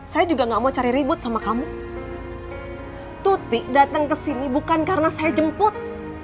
saya juga gak mau cari ribut sama kamu tuti dateng kesini bukan karena saya jemput